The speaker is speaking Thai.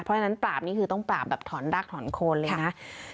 เพราะฉะนั้นปราบนี่คือต้องปราบแบบถอนรักถอนโคนเลยนะ